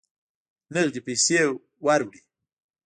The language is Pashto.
نغدي پیسې وروړي.